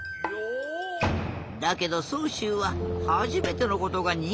だけどそうしゅうははじめてのことがにがて。